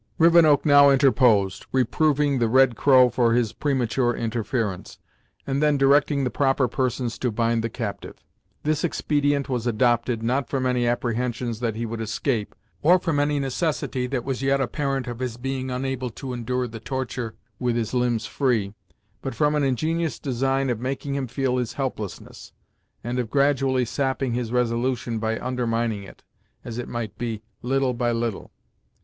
Rivenoak now interposed, reproving the Red Crow for his premature interference, and then directing the proper persons to bind the captive. This expedient was adopted, not from any apprehensions that he would escape, or from any necessity that was yet apparent of his being unable to endure the torture with his limbs free, but from an ingenious design of making him feel his helplessness, and of gradually sapping his resolution by undermining it, as it might be, little by little.